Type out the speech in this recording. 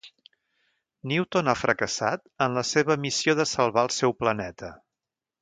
Newton ha fracassat en la seva missió de salvar al seu planeta.